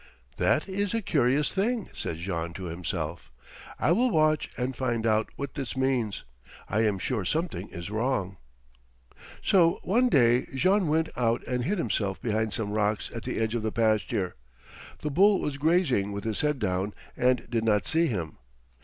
"That is a curious thing," said Jean to himself. "I will watch and find out what this means. I am sure something is wrong." So one day Jean went out and hid himself behind some rocks at the edge of the pasture. The bull was grazing with his head down and did not see him.